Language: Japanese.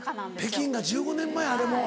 北京が１５年前あれもう。